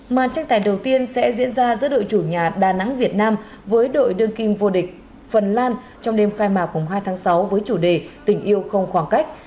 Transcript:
màn tranh tài đầu tiên sẽ diễn ra giữa đội chủ nhà đà nẵng việt nam với đội đương kim vô địch phần lan trong đêm khai mạc hai tháng sáu với chủ đề tình yêu không khoảng cách